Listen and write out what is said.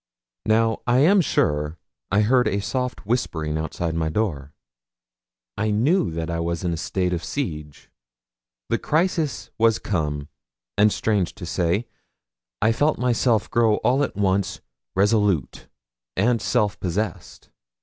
Now, I am sure, I heard a soft whispering outside my door. I knew that I was in a state of siege! The crisis was come, and strange to say, I felt myself grow all at once resolute and self possessed.